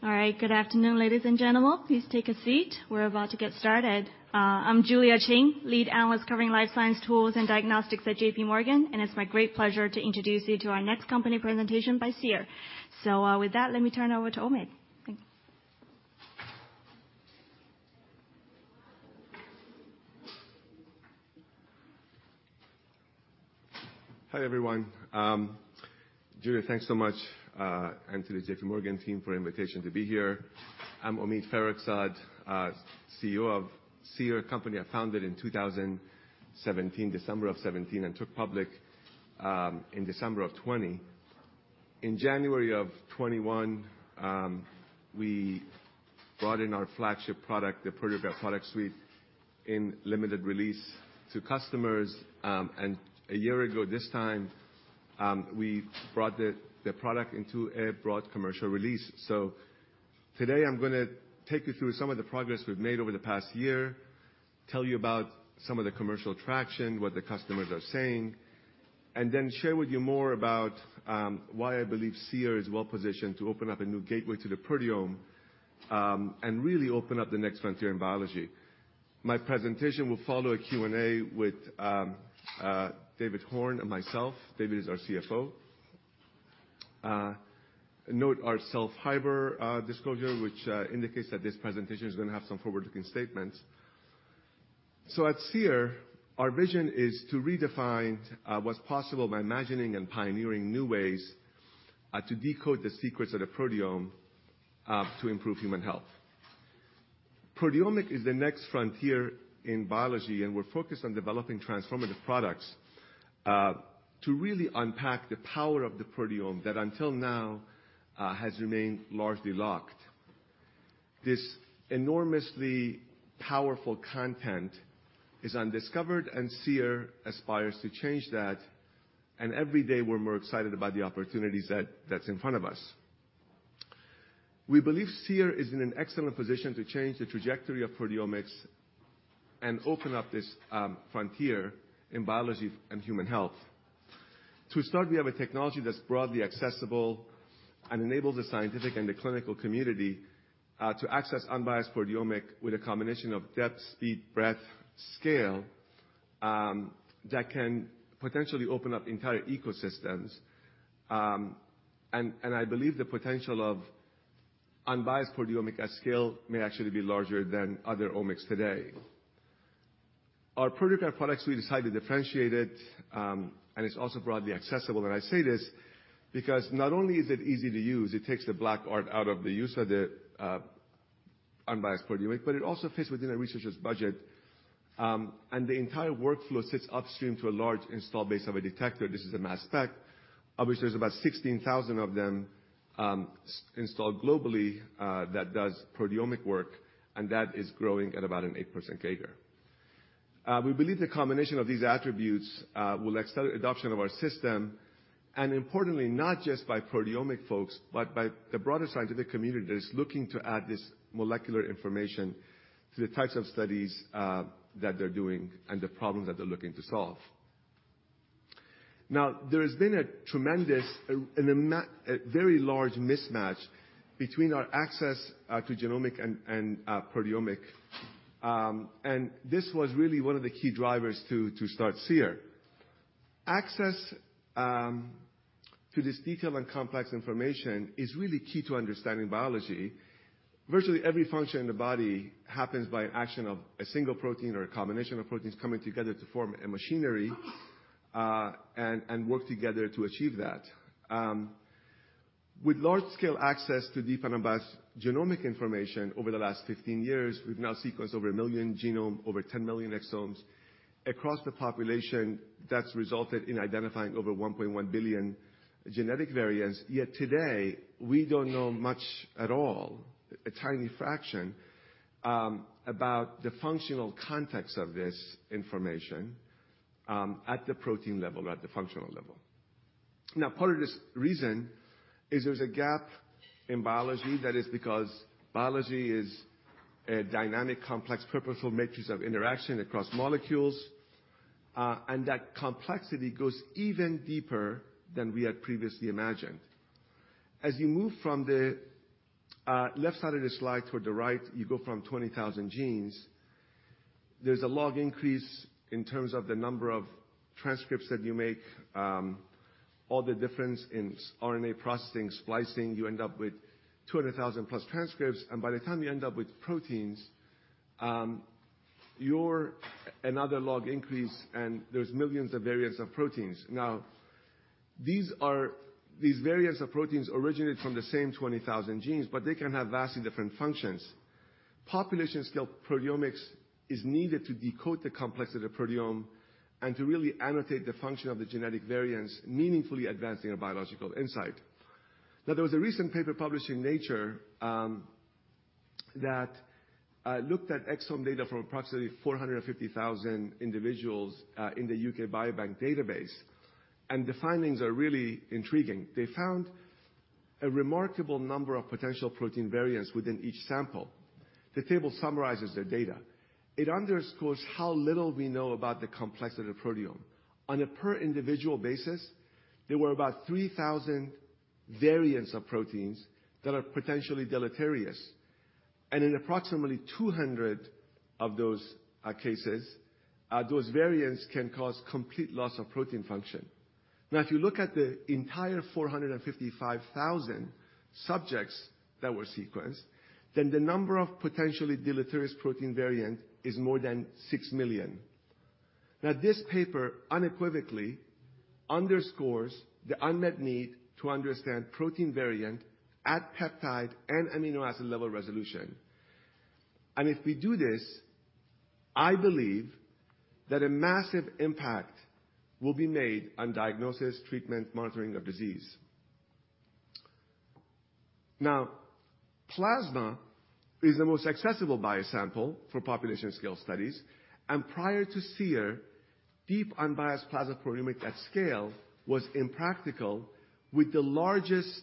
All right. Good afternoon, ladies and gentlemen. Please take a seat. We're about to get started. I'm Julia Qin, Lead analyst covering life science tools and diagnostics at JPMorgan. It's my great pleasure to introduce you to our next company presentation by Seer. With that, let me turn it over to Omid. Thank you. Hi, everyone. Julia, thanks so much to the JPMorgan team for invitation to be here. I'm Omid Farokhzad, CEO of Seer, a company I founded in 2017, December of 2017, and took public in December of 2020. In January of 2021, we brought in our flagship product, the Proteograph Product Suite, in limited release to customers. A year ago this time, we brought the product into a broad commercial release. Today I'm gonna take you through some of the progress we've made over the past year, tell you about some of the commercial traction, what the customers are saying, and then share with you more about why I believe Seer is well-positioned to open up a new gateway to the proteome and really open up the next frontier in biology. My presentation will follow a Q&A with David Horn and myself. David is our CFO. Note our safe harbor disclosure, which indicates that this presentation is gonna have some forward-looking statements. At Seer, our vision is to redefine what's possible by imagining and pioneering new ways to decode the secrets of the proteome to improve human health. Proteomics is the next frontier in biology, and we're focused on developing transformative products to really unpack the power of the proteome that until now has remained largely locked. This enormously powerful content is undiscovered, and Seer aspires to change that, and every day we're more excited about the opportunities that's in front of us. We believe Seer is in an excellent position to change the trajectory of proteomics and open up this frontier in biology and human health. To start, we have a technology that's broadly accessible and enables the scientific and the clinical community to access unbiased proteomic with a combination of depth, speed, breadth, scale that can potentially open up entire ecosystems. I believe the potential of unbiased proteomic at scale may actually be larger than other omics today. Our Proteograph Product Suite is highly differentiated, and it's also broadly accessible. I say this because not only is it easy to use, it takes the black art out of the use of the unbiased proteomic, but it also fits within a researcher's budget. The entire workflow sits upstream to a large install base of a detector. This is a mass spec, of which there's about 16,000 of them installed globally, that does proteomic work, and that is growing at about an 8% CAGR. We believe the combination of these attributes will accelerate adoption of our system, and importantly, not just by proteomic folks, but by the broader scientific community that is looking to add this molecular information to the types of studies that they're doing and the problems that they're looking to solve. There has been a tremendous, a very large mismatch between our access to genomic and proteomic. This was really one of the key drivers to start Seer. Access to this detailed and complex information is really key to understanding biology. Virtually every function in the body happens by an action of a single protein or a combination of proteins coming together to form a machinery, and work together to achieve that. With large-scale access to deep and unbiased genomic information over the last 15 years, we've now sequenced over 1 million genome, over 10 million exomes. Across the population, that's resulted in identifying over 1.1 billion genetic variants. Today, we don't know much at all, a tiny fraction, about the functional context of this information, at the protein level, at the functional level. Part of this reason is there's a gap in biology. Biology is a dynamic, complex, purposeful matrix of interaction across molecules, and that complexity goes even deeper than we had previously imagined. As you move from the left side of the slide toward the right, you go from 20,000 genes. There's a log increase in terms of the number of transcripts that you make. All the difference in RNA processing, splicing, you end up with 200,000+ transcripts, and by the time you end up with proteins, you're another log increase, and there's millions of variants of proteins. These variants of proteins originate from the same 20,000 genes, but they can have vastly different functions. Population-scale proteomics is needed to decode the complexity of proteome and to really annotate the function of the genetic variants, meaningfully advancing our biological insight. There was a recent paper published in Nature that looked at exome data from approximately 450,000 individuals in the U.K. Biobank database, the findings are really intriguing. They found a remarkable number of potential protein variants within each sample. The table summarizes the data. It underscores how little we know about the complexity of proteome. On a per individual basis, there were about 3,000 variants of proteins that are potentially deleterious. In approximately 200 of those cases, those variants can cause complete loss of protein function. If you look at the entire 455,000 subjects that were sequenced, then the number of potentially deleterious protein variant is more than 6 million. This paper unequivocally underscores the unmet need to understand protein variant at peptide and amino acid level resolution. If we do this, I believe that a massive impact will be made on diagnosis, treatment, monitoring of disease. Now, plasma is the most accessible biosample for population scale studies. Prior to Seer, deep unbiased plasma proteomic at scale was impractical with the largest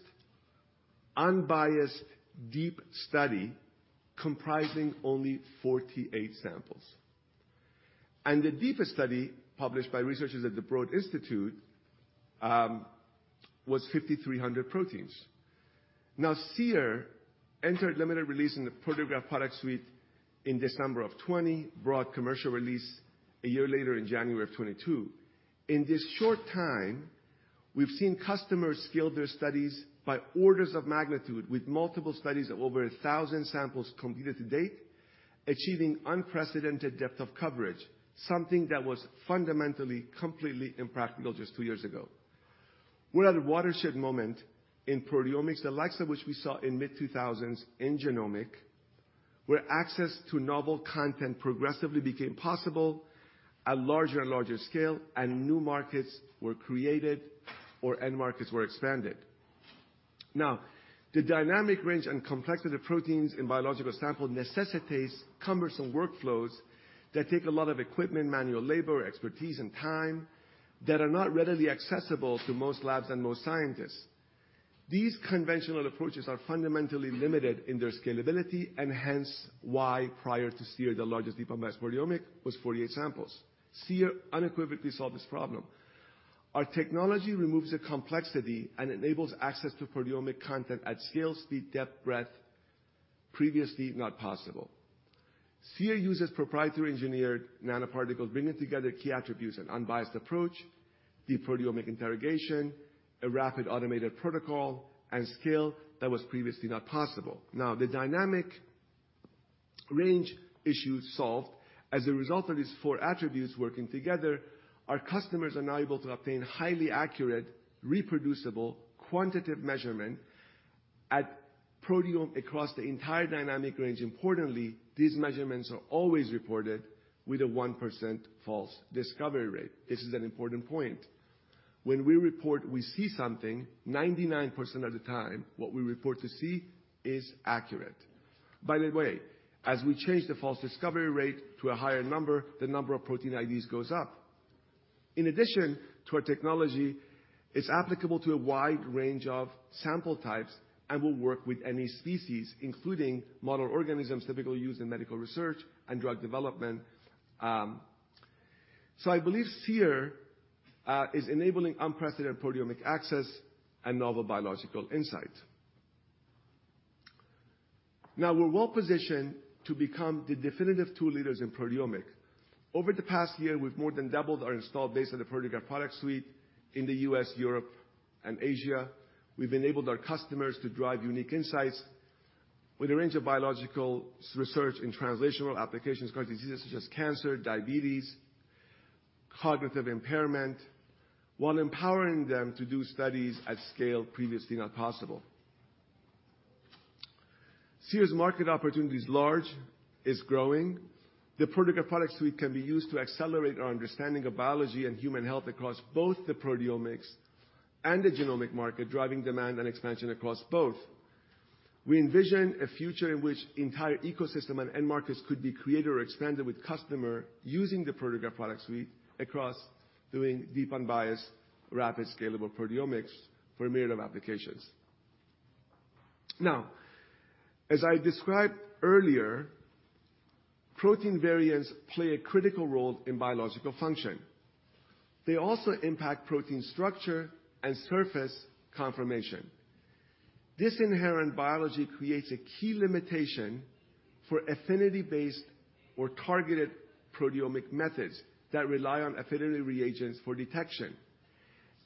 unbiased deep study comprising only 48 samples. The deepest study published by researchers at the Broad Institute was 5,300 proteins. Now, Seer entered limited release in the Proteograph Product Suite in December of 2020, broad commercial release a year later in January of 2022. In this short time, we've seen customers scale their studies by orders of magnitude with multiple studies of over 1,000 samples completed to date, achieving unprecedented depth of coverage, something that was fundamentally, completely impractical just two years ago. We're at a watershed moment in proteomics, the likes of which we saw in mid-2000s in genomic, where access to novel content progressively became possible at larger and larger scale, and new markets were created or end markets were expanded. The dynamic range and complexity of proteins in biological sample necessitates cumbersome workflows that take a lot of equipment, manual labor, expertise, and time that are not readily accessible to most labs and most scientists. These conventional approaches are fundamentally limited in their scalability, and hence why prior to Seer, the largest deep unbiased proteomic was 48 samples. Seer unequivocally solved this problem. Our technology removes the complexity and enables access to proteomic content at scale, speed, depth, breadth, previously not possible. Seer uses proprietary engineered nanoparticles, bringing together key attributes and unbiased approach, deep proteomic interrogation, a rapid automated protocol, and scale that was previously not possible. The dynamic range issue solved as a result of these four attributes working together, our customers are now able to obtain highly accurate, reproducible, quantitative measurement at proteome across the entire dynamic range. Importantly, these measurements are always reported with a 1% false discovery rate. This is an important point. When we report we see something, 99% of the time, what we report to see is accurate. By the way, as we change the false discovery rate to a higher number, the number of protein IDs goes up. In addition to our technology, it's applicable to a wide range of sample types and will work with any species, including model organisms typically used in medical research and drug development. I believe Seer is enabling unprecedented proteomic access and novel biological insight. We're well-positioned to become the definitive tool leaders in proteomic. Over the past year, we've more than doubled our installed base of the Proteograph Product Suite in the U.S., Europe, and Asia. We've enabled our customers to drive unique insights with a range of biological research in translational applications, current diseases such as cancer, diabetes, cognitive impairment, while empowering them to do studies at scale previously not possible. Seer's market opportunity is large, is growing. The Proteograph Product Suite can be used to accelerate our understanding of biology and human health across both the proteomics and the genomic market, driving demand and expansion across both. We envision a future in which entire ecosystem and end markets could be created or expanded with customer using the Proteograph Product Suite across doing deep, unbiased, rapid, scalable proteomics for a myriad of applications. Now, as I described earlier, protein variants play a critical role in biological function. They also impact protein structure and surface conformation. This inherent biology creates a key limitation for affinity-based or targeted proteomic methods that rely on affinity reagents for detection.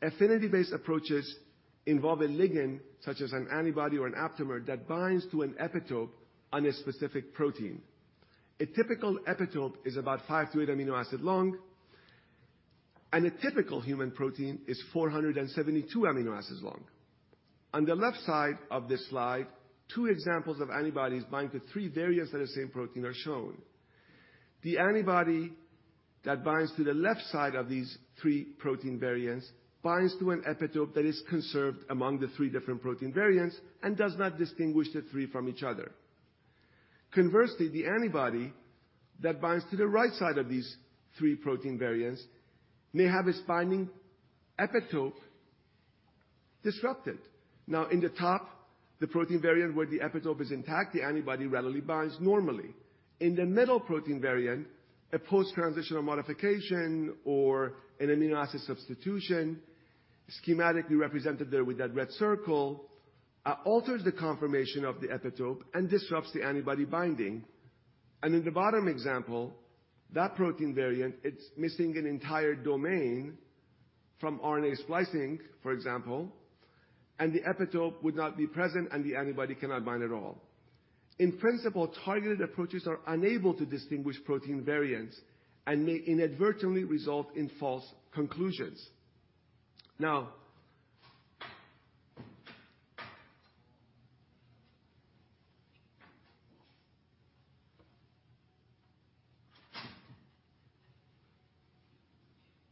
Affinity-based approaches involve a ligand, such as an antibody or an aptamer, that binds to an epitope on a specific protein. A typical epitope is about five to eight amino acid long, and a typical human protein is 472 amino acids long. On the left side of this slide, two examples of antibodies binding to three variants of the same protein are shown. The antibody that binds to the left side of these three protein variants binds to an epitope that is conserved among the three different protein variants and does not distinguish the three from each other. Conversely, the antibody that binds to the right side of these three protein variants may have its binding epitope disrupted. In the top, the protein variant where the epitope is intact, the antibody readily binds normally. In the middle protein variant, a post-transition or modification or an amino acid substitution, schematically represented there with that red circle, alters the conformation of the epitope and disrupts the antibody binding. In the bottom example, that protein variant, it's missing an entire domain from RNA splicing, for example, and the epitope would not be present, and the antibody cannot bind at all. In principle, targeted approaches are unable to distinguish protein variants and may inadvertently result in false conclusions.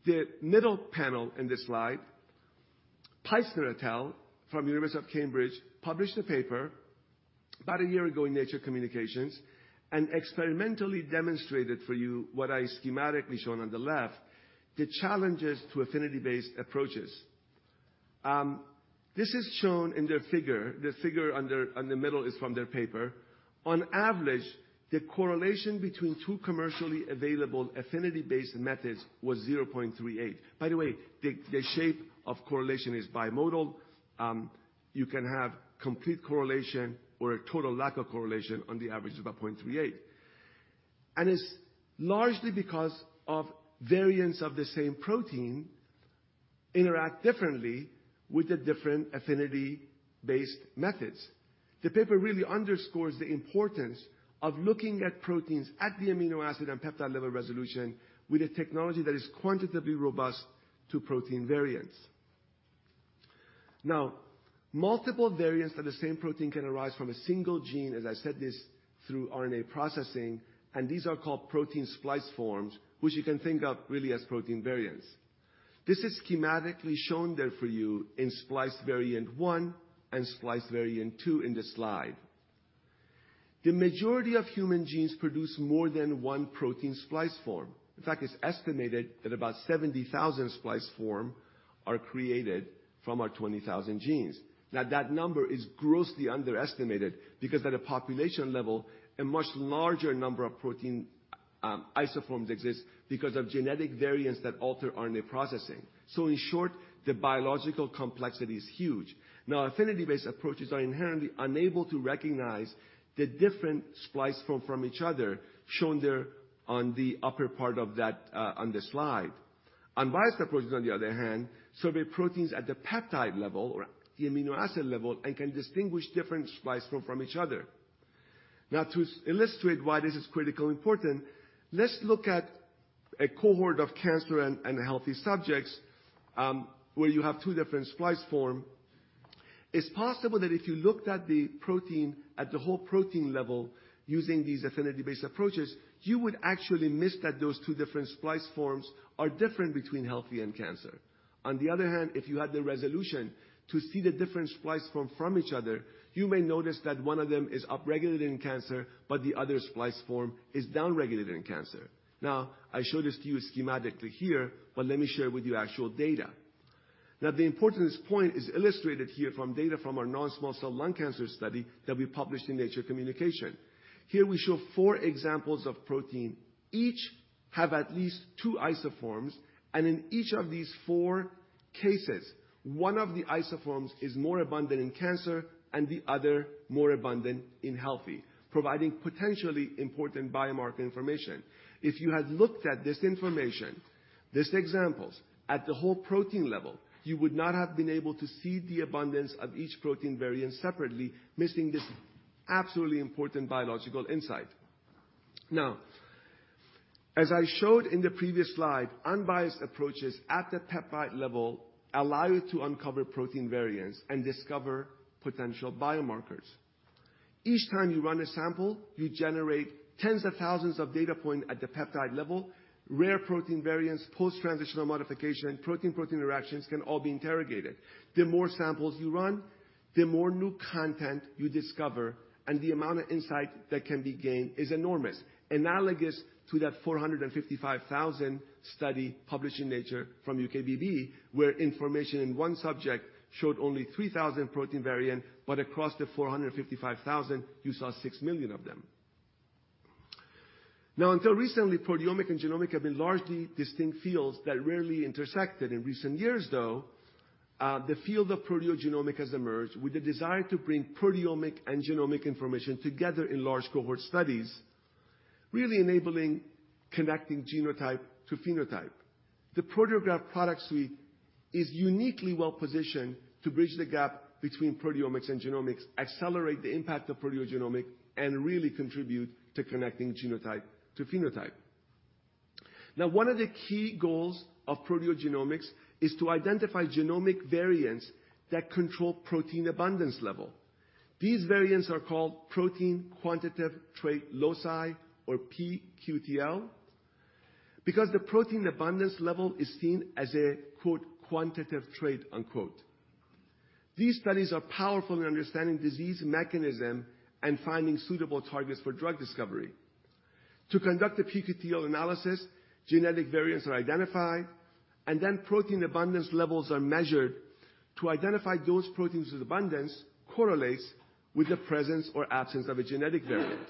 The middle panel in this slide, Pietzner et al from University of Cambridge, published a paper about a year ago in Nature Communications and experimentally demonstrated for you what I schematically shown on the left, the challenges to affinity-based approaches. This is shown in their figure. The figure under, on the middle is from their paper. On average, the correlation between two commercially available affinity-based methods was 0.38. By the way, the shape of correlation is bimodal. You can have complete correlation or a total lack of correlation on the average of a 0.38. It's largely because of variants of the same protein interact differently with the different affinity-based methods. The paper really underscores the importance of looking at proteins at the amino acid and peptide level resolution with a technology that is quantitatively robust to protein variants. Now, multiple variants of the same protein can arise from a single gene, as I said, this through RNA processing, and these are called protein splice forms, which you can think of really as protein variants. This is schematically shown there for you in splice variant one and splice variant two in the slide. The majority of human genes produce more than one protein splice form. In fact, it's estimated that about 70,000 splice form are created from our 20,000 genes. That number is grossly underestimated because at a population level, a much larger number of protein isoforms exist because of genetic variants that alter RNA processing. In short, the biological complexity is huge. Affinity-based approaches are inherently unable to recognize the different splice form from each other, shown there on the upper part of that on the slide. Unbiased approaches, on the other hand, survey proteins at the peptide level or the amino acid level, and can distinguish different splice form from each other. To illustrate why this is critically important, let's look at a cohort of cancer and healthy subjects, where you have two different splice form. It's possible that if you looked at the protein at the whole protein level using these affinity-based approaches, you would actually miss that those two different splice forms are different between healthy and cancer. If you had the resolution to see the different splice form from each other, you may notice that one of them is upregulated in cancer, but the other splice form is downregulated in cancer. I show this to you schematically here, but let me share with you actual data. The importance point is illustrated here from data from our non-small cell lung cancer study that we published in Nature Communications. Here we show four examples of protein. Each have at least two isoforms, and in each of these four cases, one of the isoforms is more abundant in cancer and the other more abundant in healthy, providing potentially important biomarker information. If you had looked at this information, these examples, at the whole protein level, you would not have been able to see the abundance of each protein variant separately, missing this absolutely important biological insight. As I showed in the previous slide, unbiased approaches at the peptide level allow you to uncover protein variants and discover potential biomarkers. Each time you run a sample, you generate tens of thousands of data point at the peptide level. Rare protein variants, post-transition or modification, protein-protein interactions can all be interrogated. The more samples you run, the more new content you discover, and the amount of insight that can be gained is enormous. Analogous to that 455,000 study published in Nature from UKBB, where information in one subject showed only 3,000 protein variant, across the 455,000, you saw 6 million of them. Until recently, proteomic and genomic have been largely distinct fields that rarely intersected. In recent years, though, the field of proteogenomics has emerged with the desire to bring proteomic and genomic information together in large cohort studies, really enabling connecting genotype to phenotype. The Proteograph Product Suite is uniquely well-positioned to bridge the gap between proteomics and genomics, accelerate the impact of proteogenomics, and really contribute to connecting genotype to phenotype. 1 of the key goals of proteogenomics is to identify genomic variants that control protein abundance level. These variants are called protein quantitative trait loci or pQTL, because the protein abundance level is seen as a, quote, quantitative trait, unquote. These studies are powerful in understanding disease mechanism and finding suitable targets for drug discovery. To conduct a pQTL analysis, genetic variants are identified, and then protein abundance levels are measured to identify those proteins whose abundance correlates with the presence or absence of a genetic variant.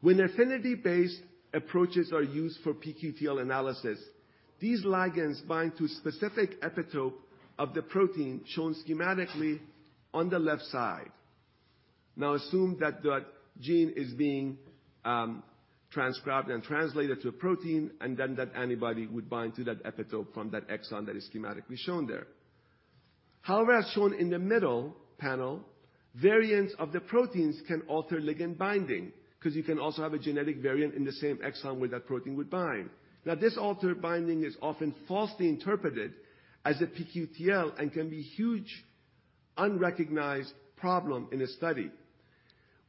When affinity-based approaches are used for pQTL analysis, these ligands bind to specific epitope of the protein shown schematically on the left side. Assume that gene is being transcribed and translated to a protein, that antibody would bind to that epitope from that exon that is schematically shown there. As shown in the middle panel, variants of the proteins can alter ligand binding 'cause you can also have a genetic variant in the same exon where that protein would bind. This altered binding is often falsely interpreted as a pQTL and can be huge unrecognized problem in a study.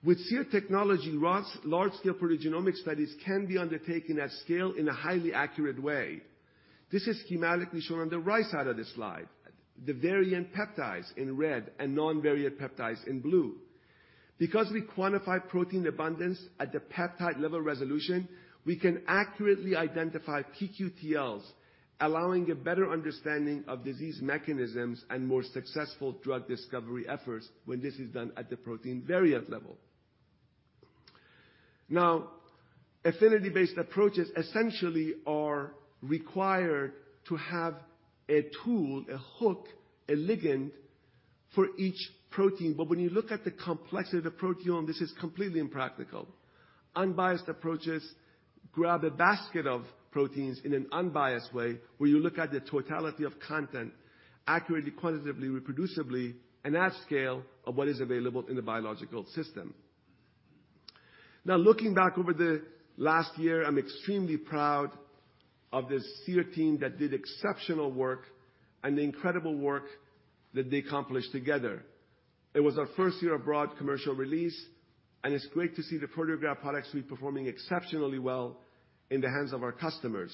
With Seer technology, large-scale proteogenomic studies can be undertaken at scale in a highly accurate way. This is schematically shown on the right side of the slide, the variant peptides in red and non-variant peptides in blue. Because we quantify protein abundance at the peptide-level resolution, we can accurately identify pQTLs, allowing a better understanding of disease mechanisms and more successful drug discovery efforts when this is done at the protein variant level. Affinity-based approaches essentially are required to have a tool, a hook, a ligand for each protein. When you look at the complexity of the proteome, this is completely impractical. Unbiased approaches grab a basket of proteins in an unbiased way, where you look at the totality of content accurately, quantitatively, reproducibly, and at scale of what is available in the biological system. Looking back over the last year, I'm extremely proud of the Seer team that did exceptional work and the incredible work that they accomplished together. It was our first year of broad commercial release, and it's great to see the Proteograph Product Suite performing exceptionally well in the hands of our customers.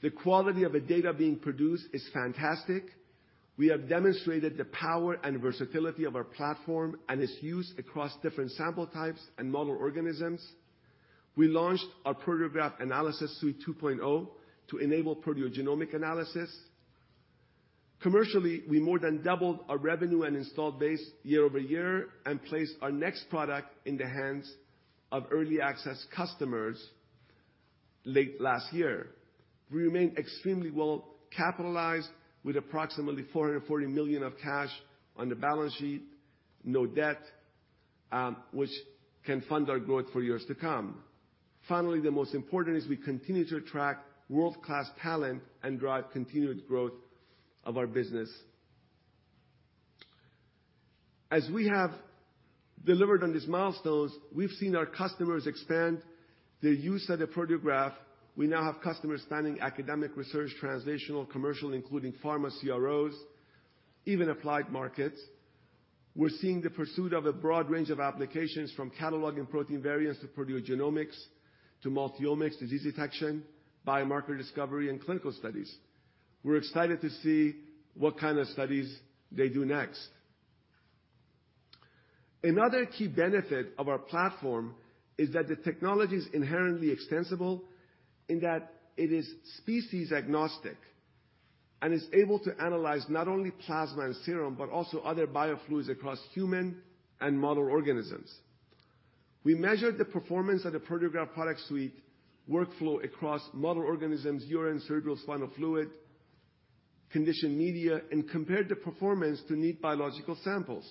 The quality of the data being produced is fantastic. We have demonstrated the power and versatility of our platform and its use across different sample types and model organisms. We launched our Proteograph Analysis Suite 2.0 to enable proteogenomic analysis. Commercially, we more than doubled our revenue and installed base year-over-year and placed our next product in the hands of early access customers late last year. We remain extremely well-capitalized with approximately $440 million of cash on the balance sheet, no debt, which can fund our growth for years to come. The most important is we continue to attract world-class talent and drive continued growth of our business. As we have delivered on these milestones, we've seen our customers expand their use of the Proteograph. We now have customers spanning academic research, translational, commercial, including pharma CROs, even applied markets. We're seeing the pursuit of a broad range of applications from cataloging protein variants to proteogenomics, to multi-omics, disease detection, biomarker discovery, and clinical studies. We're excited to see what kind of studies they do next. Another key benefit of our platform is that the technology is inherently extensible in that it is species agnostic and is able to analyze not only plasma and serum, but also other biofluids across human and model organisms. We measured the performance of the Proteograph Product Suite workflow across model organisms, urine, cerebrospinal fluid, conditioned media, and compared the performance to neat biological samples.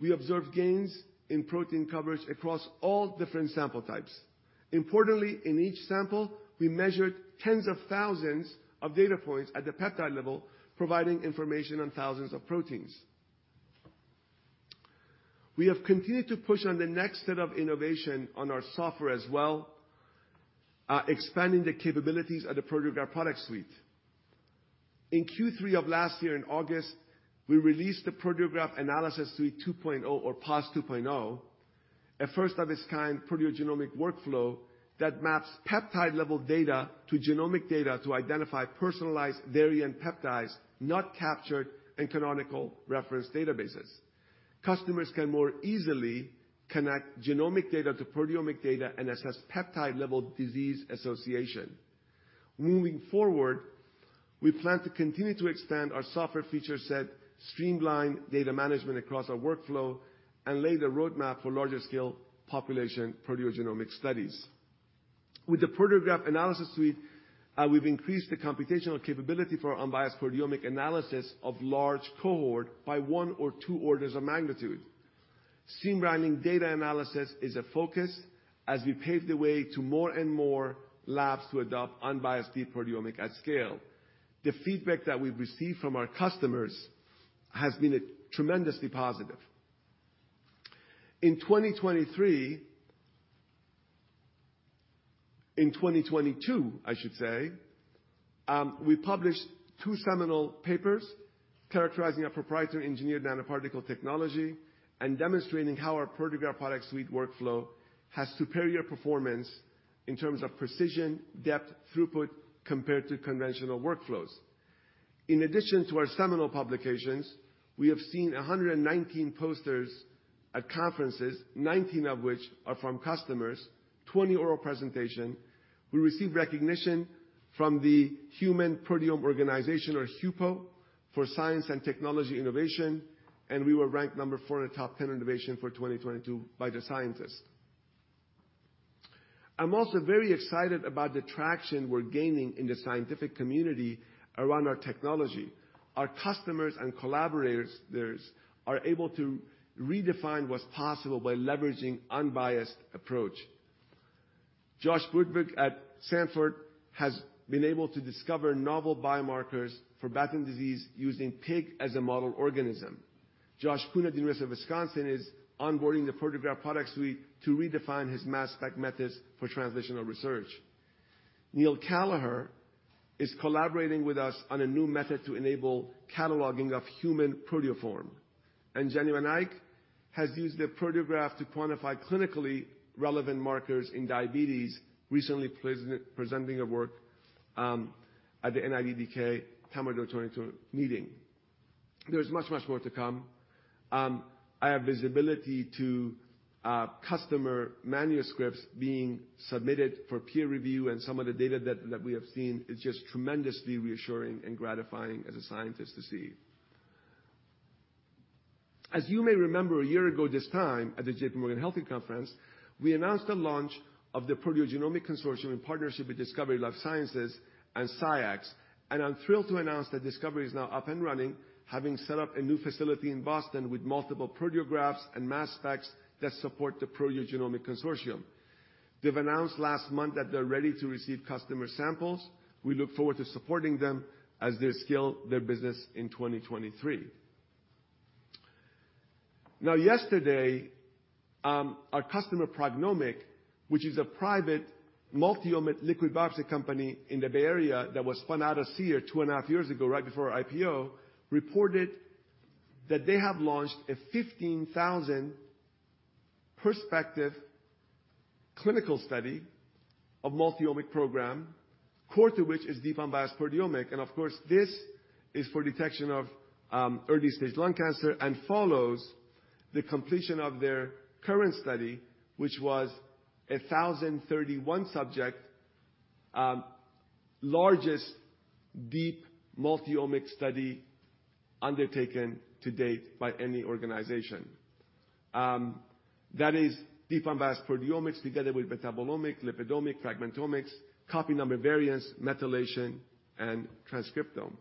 We observed gains in protein coverage across all different sample types. Importantly, in each sample, we measured tens of thousands of data points at the peptide level, providing information on thousands of proteins. We have continued to push on the next set of innovation on our software as well, expanding the capabilities of the Proteograph Product Suite. In Q3 of last year, in August, we released the Proteograph Analysis Suite 2.0 or PAS 2.0, a first-of-its-kind proteogenomic workflow that maps peptide-level data to genomic data to identify personalized variant peptides not captured in canonical reference databases. Customers can more easily connect genomic data to proteomic data and assess peptide-level disease association. Moving forward, we plan to continue to extend our software feature set, streamline data management across our workflow, and lay the roadmap for larger scale population proteogenomic studies. With the Proteograph Analysis Suite, we've increased the computational capability for unbiased proteomic analysis of large cohort by one or two orders of magnitude. Streamlining data analysis is a focus as we pave the way to more and more labs to adopt unbiased deep proteomic at scale. The feedback that we've received from our customers has been tremendously positive. In 2022, I should say, we published 2 seminal papers characterizing our proprietary engineered nanoparticle technology and demonstrating how our Proteograph Product Suite workflow has superior performance in terms of precision, depth, throughput compared to conventional workflows. In addition to our seminal publications, we have seen 119 posters at conferences, 19 of which are from customers. 20 oral presentation. We received recognition from the Human Proteome Organization, or HUPO, for science and technology innovation. We were ranked number four in the top 10 innovation for 2022 by the scientists. I'm also very excited about the traction we're gaining in the scientific community around our technology. Our customers and collaborators are able to redefine what's possible by leveraging unbiased approach. Josh Goodburg at Stanford has been able to discover novel biomarkers for Batten disease using pig as a model organism. Josh Coon at University of Wisconsin is onboarding the Proteograph Product Suite to redefine his mass spec methods for translational research. Neil Kelleher is collaborating with us on a new method to enable cataloging of human proteoform. Jenny Van Eyck has used a Proteograph to quantify clinically relevant markers in diabetes, recently presenting her work at the NIDDK TAMIR 2022 meeting. There's much more to come. I have visibility to customer manuscripts being submitted for peer review, and some of the data that we have seen is just tremendously reassuring and gratifying as a scientist to see. As you may remember, a year ago this time at the JPMorgan Healthcare Conference, we announced the launch of the Proteogenomics Consortium in partnership with Discovery Life Sciences and SCIEX. I'm thrilled to announce that Discovery is now up and running, having set up a new facility in Boston with multiple Proteographs and mass specs that support the Proteogenomics Consortium. They've announced last month that they're ready to receive customer samples. We look forward to supporting them as they scale their business in 2023. Yesterday, our customer, PrognomiQ, which is a private multi-omics liquid biopsy company in the Bay Area that was spun out of Seer 2.5 years ago, right before our IPO, reported that they have launched a 15,000 perspective clinical study, a multi-omic program, core to which is deep unbiased proteomic. Of course, this is for detection of early-stage lung cancer and follows the completion of their current study, which was a 1,031 subject, largest deep multi-omic study undertaken to date by any organization. That is deep unbiased proteomics together with metabolomics, lipidomics, fragmentomics, copy number variation, methylation, and transcriptome.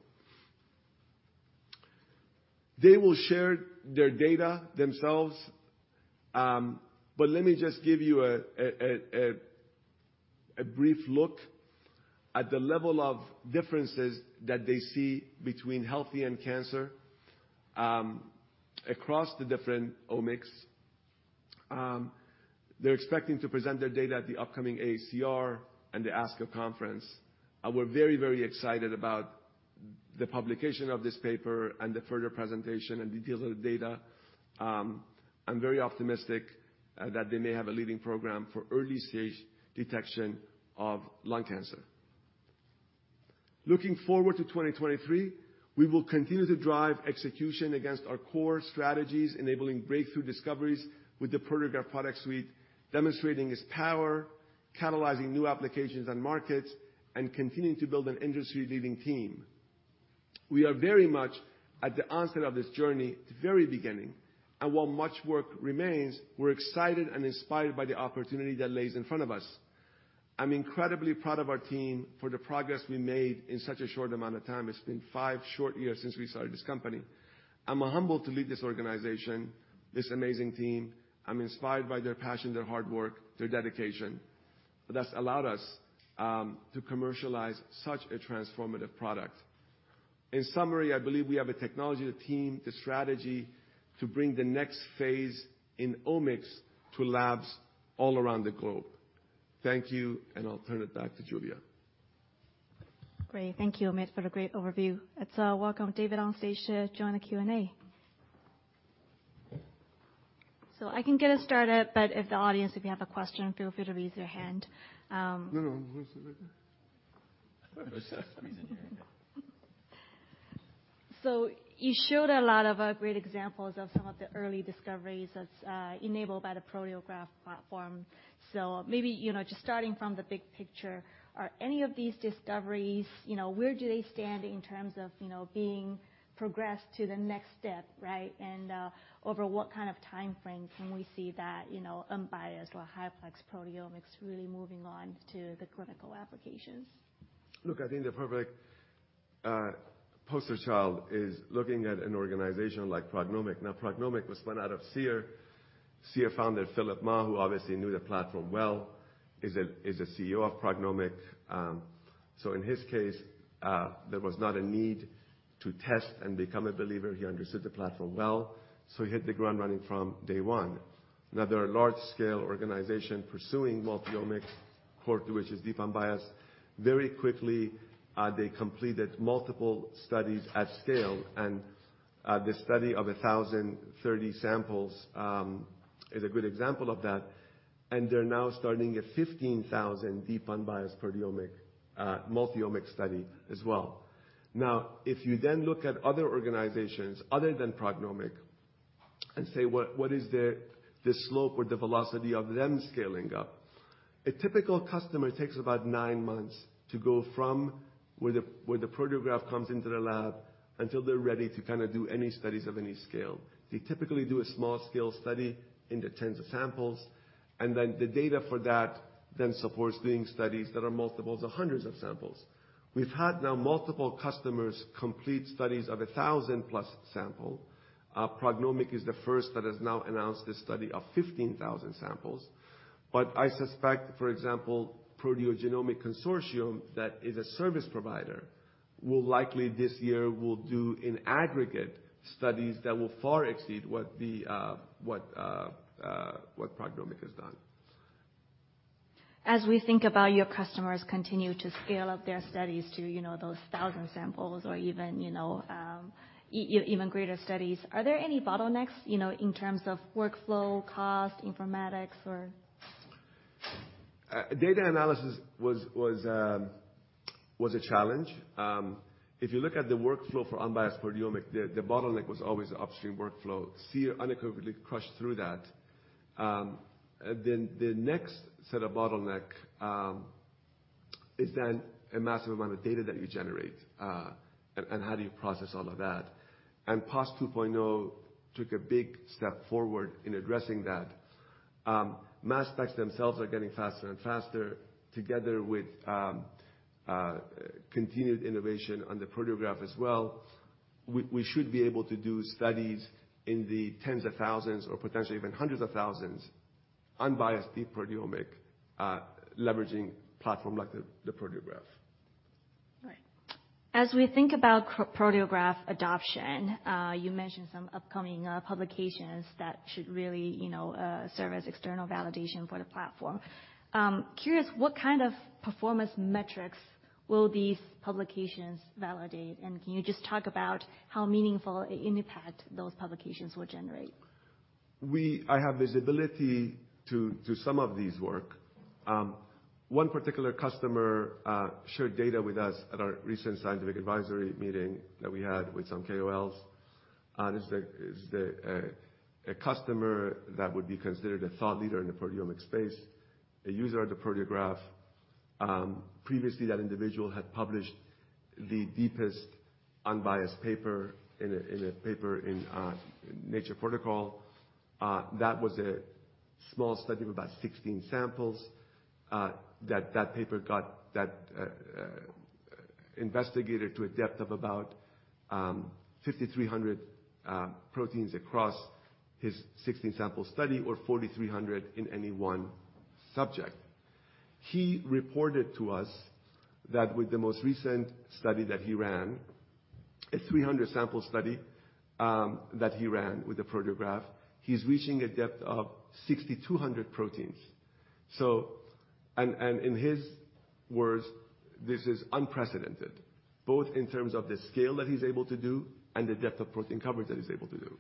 They will share their data themselves. Let me just give you a brief look at the level of differences that they see between healthy and cancer across the different omics. They're expecting to present their data at the upcoming AACR and the ASCO conference. We're very excited about the publication of this paper and the further presentation and details of the data. I'm very optimistic that they may have a leading program for early stage detection of lung cancer. Looking forward to 2023, we will continue to drive execution against our core strategies, enabling breakthrough discoveries with the Proteograph Product Suite, demonstrating its power, catalyzing new applications and markets, and continuing to build an industry-leading team. We are very much at the onset of this journey, the very beginning, and while much work remains, we're excited and inspired by the opportunity that lays in front of us. I'm incredibly proud of our team for the progress we made in such a short amount of time. It's been five short years since we started this company. I'm humbled to lead this organization, this amazing team. I'm inspired by their passion, their hard work, their dedication, that's allowed us to commercialize such a transformative product. In summary, I believe we have the technology, the team, the strategy to bring the next phase in omics to labs all around the globe. Thank you, I'll turn it back to Julia. Great. Thank you, Omid, for the great overview. Let's welcome David Horn to join the Q&A. I can get us started, but if the audience, if you have a question, feel free to raise your hand. No, no. You showed a lot of great examples of some of the early discoveries that's enabled by the Proteograph platform. Maybe, you know, just starting from the big picture, you know, where do they stand in terms of, you know, being progressed to the next step, right? Over what kind of timeframe can we see that, you know, unbiased or highplex proteomics really moving on to the clinical applications? I think the perfect poster child is looking at an organization like PrognomiQ. PrognomiQ was spun out of Seer. Seer founder, Philip Ma, who obviously knew the platform well, is the CEO of PrognomiQ. In his case, there was not a need to test and become a believer. He understood the platform well, so he hit the ground running from day one. They're a large-scale organization pursuing multi-omics, core to which is deep unbiased. Very quickly, they completed multiple studies at scale, the study of 1,030 samples is a good example of that. They're now starting a 15,000 deep unbiased proteomic multi-omic study as well. If you look at other organizations other than PrognomiQ and say, what is the slope or the velocity of them scaling up? A typical customer takes about 9 months to go from where the Proteograph comes into the lab until they're ready to kinda do any studies of any scale. They typically do a small scale study in the tens of samples, and then the data for that then supports doing studies that are multiples of hundreds of samples. We've had now multiple customers complete studies of 1,000+ samples. PrognomiQ is the first that has now announced this study of 15,000 samples. I suspect, for example, Proteogenomics Consortium, that is a service provider, will likely this year will do in aggregate studies that will far exceed what PrognomiQ has done. As we think about your customers continue to scale up their studies to, you know, those 1,000 samples or even, you know, even greater studies, are there any bottlenecks, you know, in terms of workflow, cost, informatics, or? Data analysis was a challenge. If you look at the workflow for unbiased proteomics, the bottleneck was always the upstream workflow. Seer unequivocally crushed through that. The next set of bottleneck is then a massive amount of data that you generate and how do you process all of that. PAS 2.0 took a big step forward in addressing that. Mass specs themselves are getting faster and faster together with continued innovation on the Proteograph as well. We should be able to do studies in the tens of thousands or potentially even hundreds of thousands, unbiased deep proteomics, leveraging platform like the Proteograph. Right. As we think about Proteograph adoption, you mentioned some upcoming publications that should really, you know, serve as external validation for the platform. Curious, what kind of performance metrics will these publications validate? Can you just talk about how meaningful an impact those publications will generate? I have visibility to some of these work. One particular customer shared data with us at our recent scientific advisory meeting that we had with some KOLs. This is the a customer that would be considered a thought leader in the proteomic space, a user of the Proteograph. Previously that individual had published the deepest unbiased paper in a paper in Nature Protocols. That was a small study of about 16 samples that that paper got that investigated to a depth of about 5,300 proteins across his 16-sample study or 4,300 in any one subject. He reported to us that with the most recent study that he ran, a 300-sample study that he ran with the Proteograph, he's reaching a depth of 6,200 proteins. In his words, this is unprecedented, both in terms of the scale that he's able to do and the depth of protein coverage that he's able to do.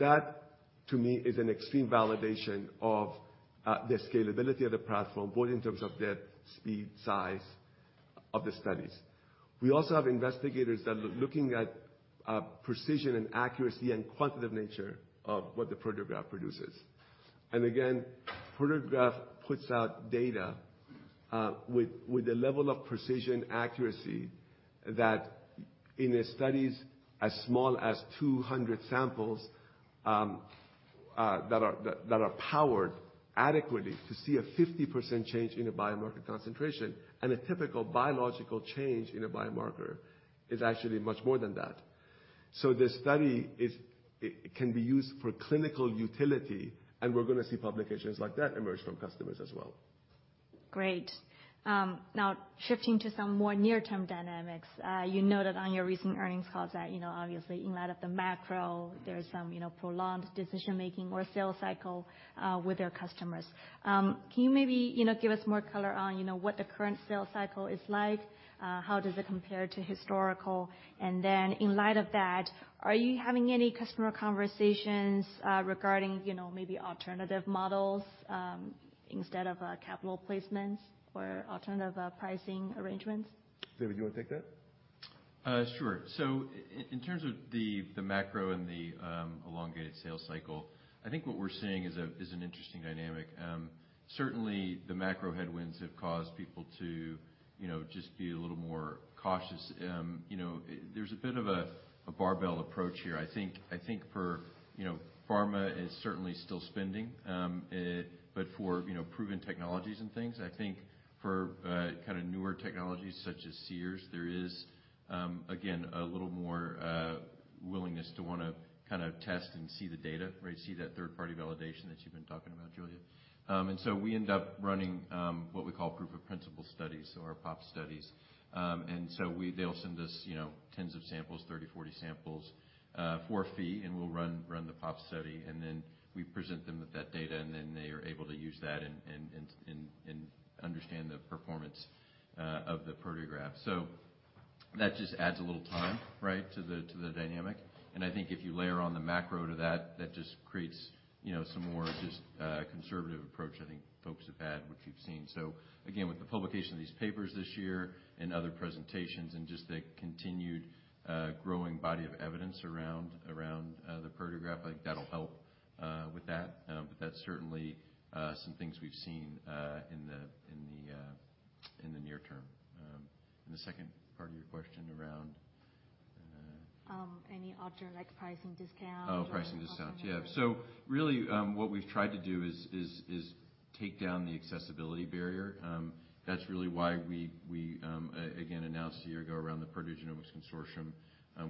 That, to me, is an extreme validation of the scalability of the platform, both in terms of depth, speed, size of the studies. We also have investigators that are looking at precision and accuracy and quantitative nature of what the Proteograph produces. Again, Proteograph puts out data with the level of precision, accuracy that in the studies as small as 200 samples that are powered adequately to see a 50% change in a biomarker concentration, and a typical biological change in a biomarker is actually much more than that. The study is-- it can be used for clinical utility, and we're gonna see publications like that emerge from customers as well. Great. Now shifting to some more near-term dynamics. You noted on your recent earnings calls that, you know, obviously in light of the macro, there's some, you know, prolonged decision-making or sales cycle with your customers. Can you maybe, you know, give us more color on, you know, what the current sales cycle is like? How does it compare to historical? In light of that, are you having any customer conversations regarding, you know, maybe alternative models instead of capital placements or alternative pricing arrangements? David, do you wanna take that? Sure. So in terms of the macro and the elongated sales cycle, I think what we're seeing is an interesting dynamic. Certainly the macro headwinds have caused people to, you know, just be a little more cautious. You know, there's a bit of a barbell approach here. I think, I think for, you know, pharma is certainly still spending, but for, you know, proven technologies and things. I think for kind of newer technologies such as Seer's, there is again, a little more willingness to want to kind of test and see the data, right? See that third-party validation that you've been talking about, Julia. We end up running what we call proof of principle studies, so our POP studies. They'll send us, you know, tens of samples, 30, 40 samples, for a fee, and we'll run the POP study, and then we present them with that data. We are able to use that and understand the performance of the Proteograph. That just adds a little time, right, to the dynamic. I think if you layer on the macro to that just creates, you know, some more just conservative approach, I think folks have had, which we've seen. Again, with the publication of these papers this year and other presentations and just the continued growing body of evidence around the Proteograph, like that'll help with that. That's certainly some things we've seen in the near term. The second part of your question around. Any other like pricing discounts or? Pricing discounts. Yeah. Really, what we've tried to do is take down the accessibility barrier. That's really why we again announced a year ago around the Proteomics Consortium.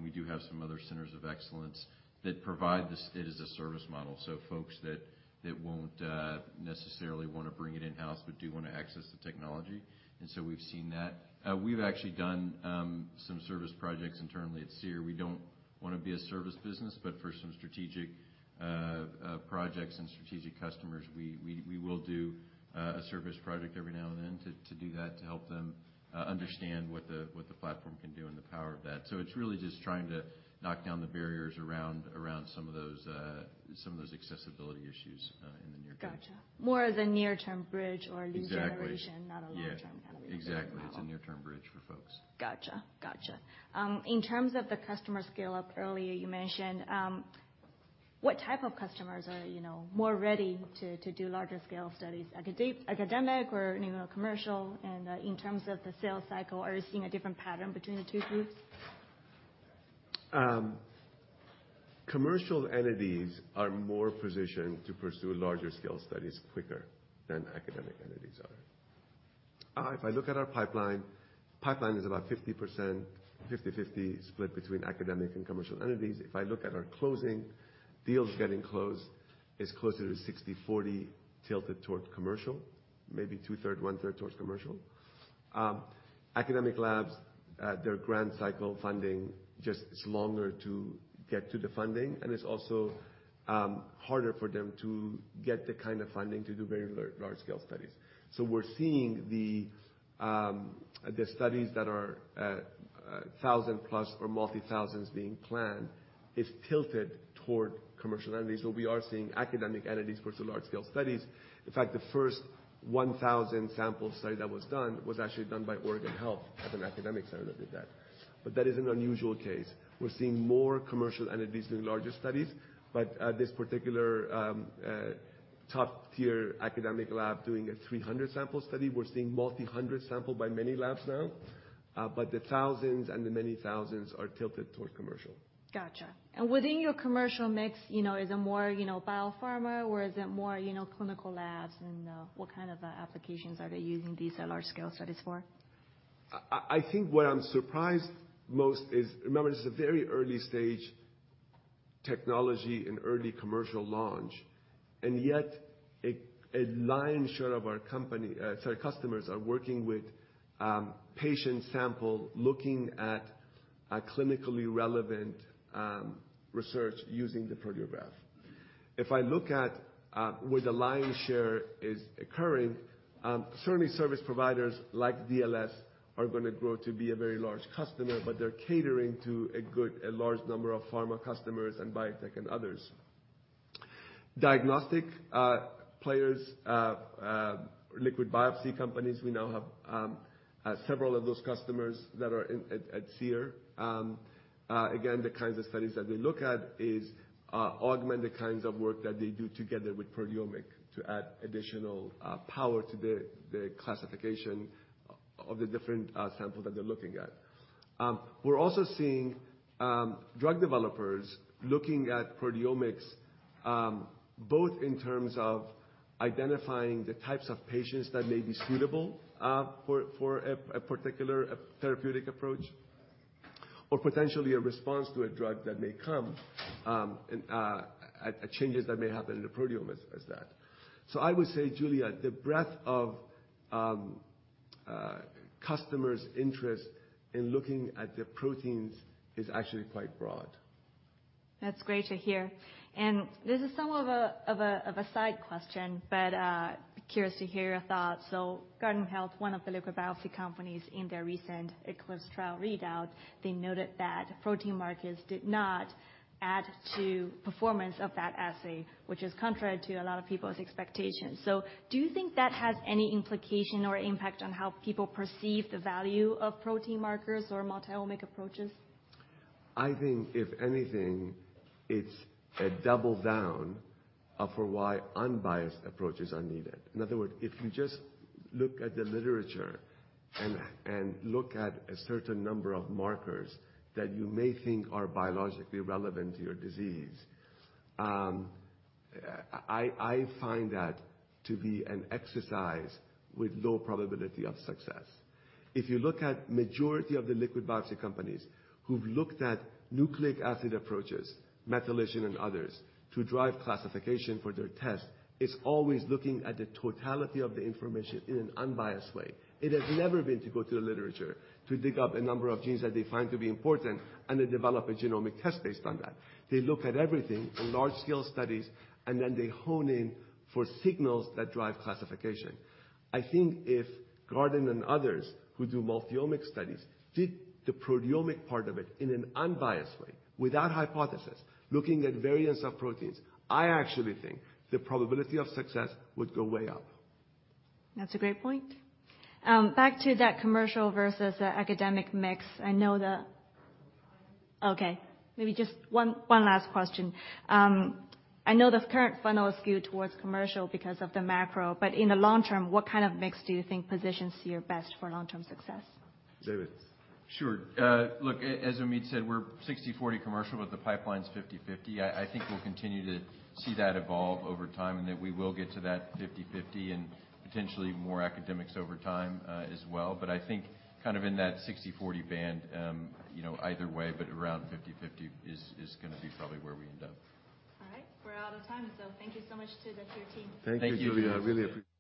We do have some other centers of excellence that provide this it as a service model. Folks that won't necessarily wanna bring it in-house but do wanna access the technology. We've seen that. We've actually done some service projects internally at Seer. We don't wanna be a service business, but for some strategic projects and strategic customers, we will do a service project every now and then to do that, to help them understand what the platform can do and the power of that. It's really just trying to knock down the barriers around some of those, some of those accessibility issues, in the near term. Gotcha. More as a near-term bridge or lead generation. Exactly. Not a long-term kind of business model. Yeah. Exactly. It's a near-term bridge for folks. Gotcha. In terms of the customer scaleup, earlier you mentioned, what type of customers are, you know, more ready to do larger scale studies? academic or, you know, commercial? In terms of the sales cycle, are you seeing a different pattern between the two groups? Commercial entities are more positioned to pursue larger scale studies quicker than academic entities are. If I look at our pipeline is about 50%, 50/50 split between academic and commercial entities. If I look at our closing, deals getting closed is closer to 60/40 tilted towards commercial, maybe 2/3, 1/3 towards commercial. Academic labs, their grant cycle funding just is longer to get to the funding, and it's also harder for them to get the kind of funding to do very large scale studies. We're seeing the studies that are 1,000+ or multi-thousands being planned is tilted toward commercial entities. We are seeing academic entities pursue large scale studies. In fact, the first 1,000 sample study that was done was actually done by Oregon Health as an academic center that did that. That is an unusual case. We're seeing more commercial entities doing larger studies. This particular, top-tier academic lab doing a 300 sample study, we're seeing multi-hundred sample by many labs now. The thousands and the many thousands are tilted toward commercial. Gotcha. Within your commercial mix, you know, is it more, you know, biopharma or is it more, you know, clinical labs? What kind of applications are they using these large scale studies for? I think what I'm surprised most is. Remember, this is a very early stage technology and early commercial launch, yet a lion's share of our company, sorry, customers are working with patient sample, looking at a clinically relevant research using the Proteograph. If I look at where the lion's share is occurring, certainly service providers like DLS are gonna grow to be a very large customer, they're catering to a large number of pharma customers and biotech and others. Diagnostic players, liquid biopsy companies, we now have several of those customers that are at Seer. Again, the kinds of studies that they look at is, augment the kinds of work that they do together with proteomic to add additional power to the classification of the different sample that they're looking at. We're also seeing drug developers looking at proteomics, both in terms of identifying the types of patients that may be suitable for a particular therapeutic approach, or potentially a response to a drug that may come, and changes that may happen in the proteome as that. I would say, Julia, the breadth of customers' interest in looking at the proteins is actually quite broad. That's great to hear. This is somewhat of a side question, but curious to hear your thoughts. Guardant Health, one of the liquid biopsy companies in their recent ECLIPSE trial readout, they noted that protein markers did not add to performance of that assay, which is contrary to a lot of people's expectations. Do you think that has any implication or impact on how people perceive the value of protein markers or multi-omic approaches? I think if anything, it's a double down for why unbiased approaches are needed. In other words, if you just look at the literature and look at a certain number of markers that you may think are biologically relevant to your disease, I find that to be an exercise with low probability of success. If you look at majority of the liquid biopsy companies who've looked at nucleic acid approaches, methylation and others, to drive classification for their test, it's always looking at the totality of the information in an unbiased way. It has never been to go to the literature to dig up a number of genes that they find to be important and then develop a genomic test based on that. They look at everything in large scale studies, and then they hone in for signals that drive classification. I think if Guardant and others who do multi-omic studies did the proteomic part of it in an unbiased way, without hypothesis, looking at variants of proteins, I actually think the probability of success would go way up. That's a great point. back to that commercial versus academic mix. I know. Time. Okay, maybe just one last question. I know the current funnel is skewed towards commercial because of the macro. In the long term, what kind of mix do you think positions you best for long-term success? David? Sure. Look, as Omid said, we're 60/40 commercial, but the pipeline's 50/50. I think we'll continue to see that evolve over time and that we will get to that 50/50 and potentially more academics over time as well. I think kind of in that 60/40 band, you know, either way, but around 50/50 is gonna be probably where we end up. We're out of time. Thank you so much to the Seer team. Thank you, Julia. Thank you. I really appreciate it.